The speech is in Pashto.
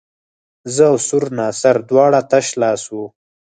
زه او سور ناصر دواړه تش لاس وو.